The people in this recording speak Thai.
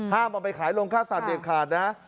ห้ามเอาไปขายลงค่าสัตว์เด็ดขาด